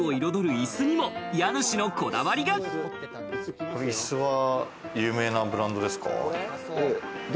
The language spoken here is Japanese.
椅子は有名なブランドですか？